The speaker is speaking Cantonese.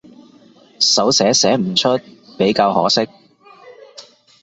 手寫寫唔出比較可惜